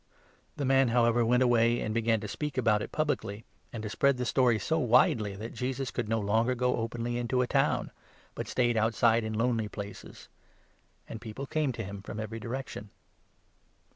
The man, however, went away, and began to speak about it 45 publicly, and to spread the story so widely, that Jesus could no longer go openly into a town, but stayed outside in lonely places ; and people came to him from every direction.